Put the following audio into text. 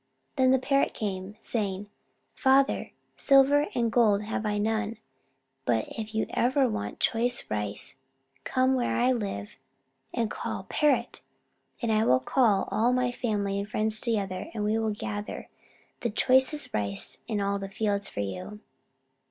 Then the Parrot came, saying: "Father, silver and gold have I none, but if you ever want choice rice, come to where I live and call, 'Parrot!' and I will call all my family and friends together, and we will gather the choicest rice in the fields for you."